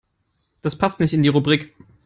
Das passt nicht in die Rubrik.